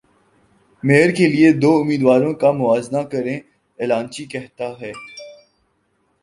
mayor کے لیے دو امیدواروں کا موازنہ کریں اعلانچی کہتا ہے